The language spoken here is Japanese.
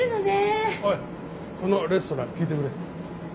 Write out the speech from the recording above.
おいこのレストラン聞いてくれ。